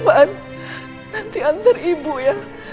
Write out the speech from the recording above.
nanti antar ibu ya